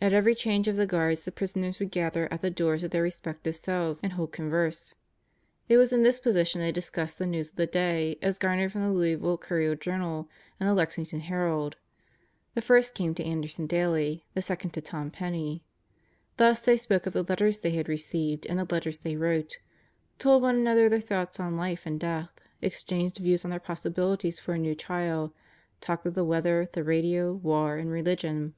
At every change of the guards the prisoners would gather at the doors of their respective cells and hold con verse. It was in this position they discussed the news of the day as garnered from the Louisville Courier Journal and the Lexington Herald; the first came to Anderson daily; the second to Tom Penney. Thus they spoke of the letters they had received and the letters they wrote; told one another their thoughts on life and death; exchanged views on their possibilities for a new trial; talked of the weather, the radio, war, and religion.